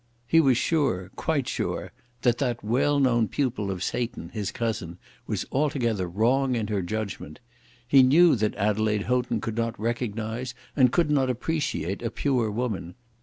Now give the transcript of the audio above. He was sure, quite sure, that that well known pupil of Satan, his cousin, was altogether wrong in her judgment. He knew that Adelaide Houghton could not recognise, and could not appreciate, a pure woman.